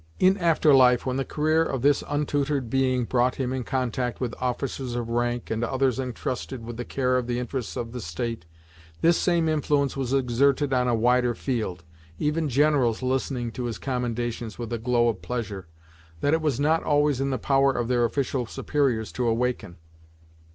In after life, when the career of this untutored being brought him in contact with officers of rank, and others entrusted with the care of the interests of the state, this same influence was exerted on a wider field, even generals listening to his commendations with a glow of pleasure, that it was not always in the power of their official superiors to awaken.